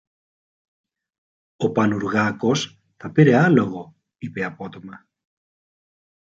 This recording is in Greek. Ο Πανουργάκος θα πήρε άλογο, είπε απότομα.